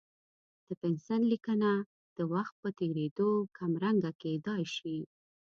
د پنسل لیکنه د وخت په تېرېدو کمرنګه کېدای شي.